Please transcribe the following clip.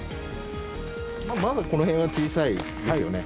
まだこの辺は小さいですよね。